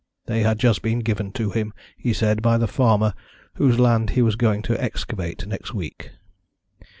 They had just been given to him, he said, by the farmer whose land he was going to excavate next week.